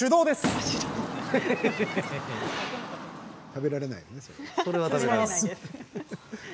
それは食べられないね。